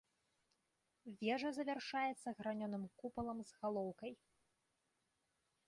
Вежа завяршаецца гранёным купалам з галоўкай.